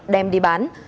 đem đi bán